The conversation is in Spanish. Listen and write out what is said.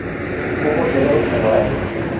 Hubo diálogos memorables.